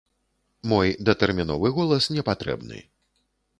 Мой датэрміновы голас непатрэбны.